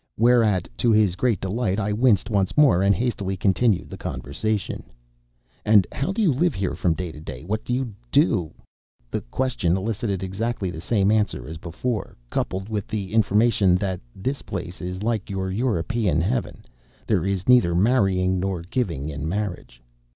Whereat, to his great delight, I winced once more and hastily continued the conversation: "And how do you live here from day to day? What do you do?" The question elicited exactly the same answer as before coupled with the information that "this place is like your European heaven; there is neither marrying nor giving in marriage."